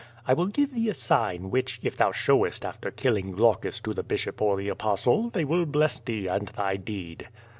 I will give thee a sign, which, if thou showest after killing Glaucus to the bishop or the Apostle, they will bless thee and thy deed."